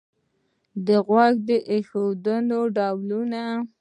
د غوږ ایښودنې ډولونه